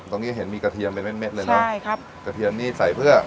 เห็นมีกระเทียมเป็นเม็ดเด็ดเลยเนอะใช่ครับกระเทียมนี่ใส่เพื่อ